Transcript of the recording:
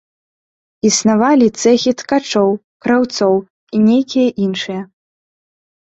Існавалі цэхі ткачоў, краўцоў і нейкія іншыя.